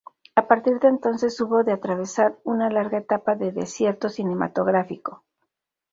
A partir de entonces hubo de atravesar una larga etapa de desierto cinematográfico.